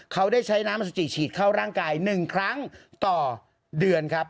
เขาได้ใช้น้ำอสุจิฉีดเข้าร่างกาย๑ครั้งต่อเดือนครับ